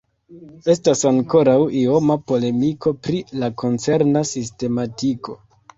Estas ankoraŭ ioma polemiko pri la koncerna sistematiko.